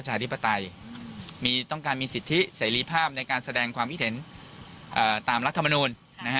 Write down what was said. ธิปไตยต้องการมีสิทธิเสรีภาพในการแสดงความคิดเห็นตามรัฐมนูล